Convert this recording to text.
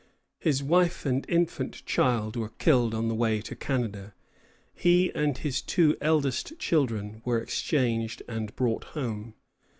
His wife and infant child were killed on the way to Canada. He and his two eldest children were exchanged and brought home.